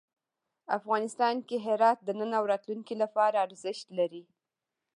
افغانستان کې هرات د نن او راتلونکي لپاره ارزښت لري.